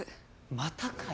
またかよ。